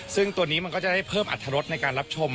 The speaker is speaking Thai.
ซึ่งตัวนี้มันก็จะได้เพิ่มอัตรรสในการรับชม